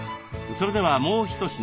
それではもう一品。